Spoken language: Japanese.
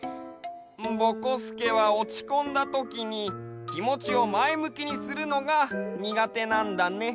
ぼこすけはおちこんだときにきもちをまえむきにするのがにがてなんだね。